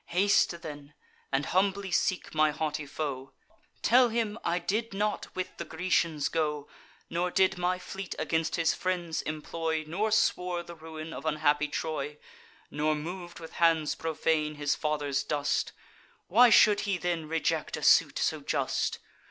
Haste then, and humbly seek my haughty foe; Tell him, I did not with the Grecians go, Nor did my fleet against his friends employ, Nor swore the ruin of unhappy Troy, Nor mov'd with hands profane his father's dust: Why should he then reject a suit so just!